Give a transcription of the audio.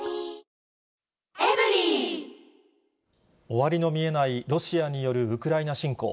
終わりの見えないロシアによるウクライナ侵攻。